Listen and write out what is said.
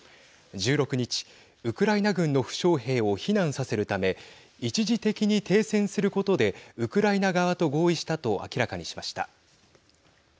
１６日、ウクライナ軍の負傷兵を避難させるため一時的に停戦することでウクライナ側と合意したと明らかにしました。